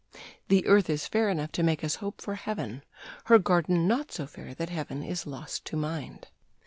["'The earth is fair enough to make us hope for heaven, Her garden not so fair that heaven is lost to mind.'